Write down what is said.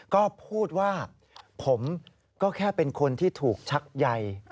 ก็พูดว่าผมก็แค่เป็นคนที่ถูกชักใย